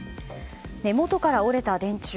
根元から折れた電柱。